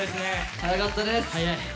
早かったです。